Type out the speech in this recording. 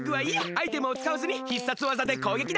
アイテムをつかわずに必殺技でこうげきだ！